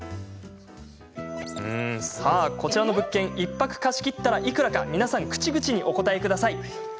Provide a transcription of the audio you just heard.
さあ、こちらの物件を１泊貸し切ったらいくらか皆さん、口々にお答えください。